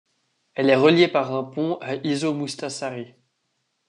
Elle est reliée par un pont à Iso Mustasaari.